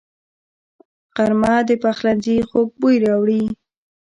غرمه د پخلنځي خوږ بوی راوړي